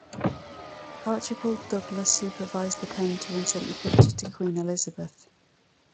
Archibald Douglas supervised the painter and sent the picture to Queen Elizabeth.